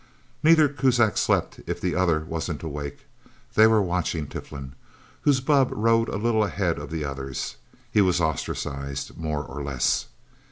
Neither Kuzak slept, if the other wasn't awake. They were watching Tiflin, whose bubb rode a little ahead of the others. He was ostracized, more or less.